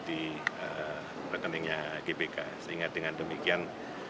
di rekeningnya gbk sehingga dengan demikian